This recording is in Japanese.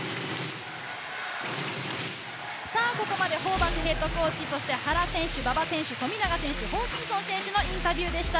ここまでホーバスＨＣ、そして原選手、馬場選手、富永選手、ホーキンソン選手のインタビューでした。